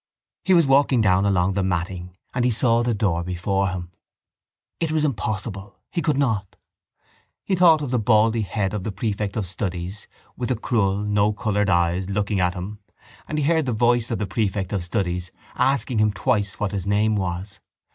He was walking down along the matting and he saw the door before him. It was impossible: he could not. He thought of the baldy head of the prefect of studies with the cruel no coloured eyes looking at him and he heard the voice of the prefect of studies asking him twice what his name was.